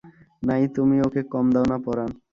নাই তুমিও ওকে কম দাও না পরাণ।